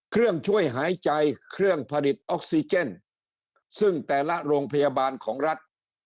เครื่องช่วยหายใจเครื่องผลิตออกซิเจนซึ่งแต่ละโรงพยาบาลของรัฐ